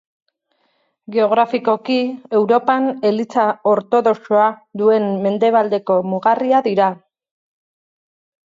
Geografikoki, Europan Eliza ortodoxoa duen mendebaldeko mugarria dira.